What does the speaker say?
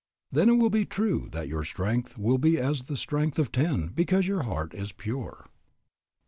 Then it will be true that your strength will be as the strength of ten because your heart is pure.